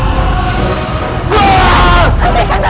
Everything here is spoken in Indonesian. kau akan menang